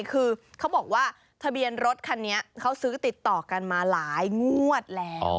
คือเขาบอกว่าทะเบียนรถคันนี้เขาซื้อติดต่อกันมาหลายงวดแล้ว